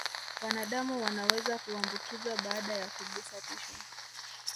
Wanadamu wanaweza kuambukizwa baada ya kugusa tishu